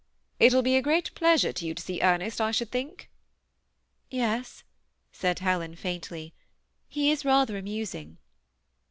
" It will be a great pleasure to you to see Ernest, I should think ?" "Yes," said Helen, faintly; "he is rather amas ing."